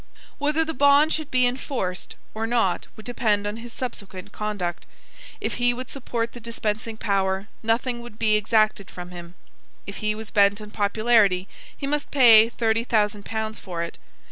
Whether the bond should be enforced or not would depend on his subsequent conduct. If he would support the dispensing power nothing would be exacted from him. If he was bent on popularity he must pay thirty thousand pounds for it.